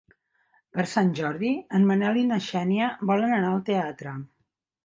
Per Sant Jordi en Manel i na Xènia volen anar al teatre.